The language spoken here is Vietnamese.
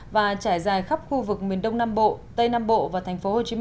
và trải dài khắp khu vực miền đông nam bộ tây nam bộ và tp hcm